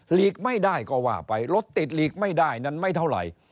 หลีกไม่ได้ก็ว่าไปรถติดหลีกไม่ได้นั้นไม่เท่าไหร่